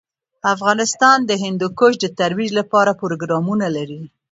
افغانستان د هندوکش د ترویج لپاره پروګرامونه لري.